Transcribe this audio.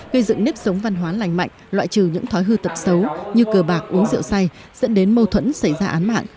gây dựng nếp sống văn hóa lành mạnh loại trừ những thói hư tật xấu như cờ bạc uống rượu say dẫn đến mâu thuẫn xảy ra án mạng